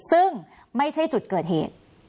ซึ่งไม่ใช่จุดเกิดเหตุ